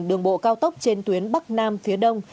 đường bộ cao tốc trên tuyến bắc nam phía đông